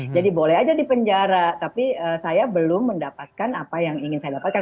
boleh aja di penjara tapi saya belum mendapatkan apa yang ingin saya dapatkan